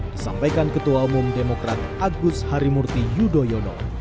disampaikan ketua umum demokrat agus harimurti yudhoyono